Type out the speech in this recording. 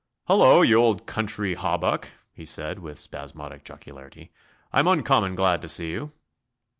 "Hullo, you old country hawbuck," he said, with spasmodic jocularity; "I'm uncommon glad to see you."